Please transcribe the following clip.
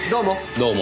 どうも。